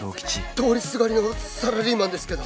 通りすがりのサラリーマンですけど。